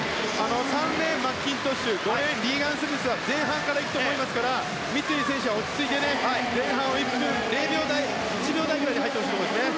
３レーンマッキントッシュ５レーン、リーガン・スミスは前半から行くと思いますから三井選手は落ち着いて前半は１分１秒台くらいで入ってほしいですね。